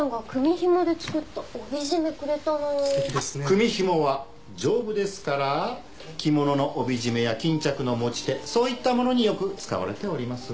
組紐は丈夫ですから着物の帯締めや巾着の持ち手そういったものによく使われております。